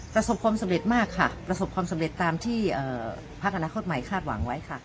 ประสบความสำเร็จมากค่ะประสบความสำเร็จตามที่พักอนาคตใหม่คาดหวังไว้ค่ะ